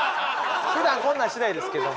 普段こんなんしないですけども。